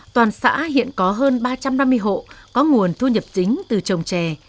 toàn xã hiện có hơn ba trăm năm mươi hộ có nguồn thu nhập chính từ trồng chè